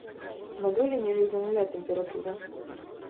На доле ніжэй за нуля тэмпература.